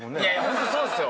ホントそうっすよ。